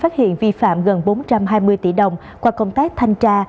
phát hiện vi phạm gần bốn trăm hai mươi tỷ đồng qua công tác thanh tra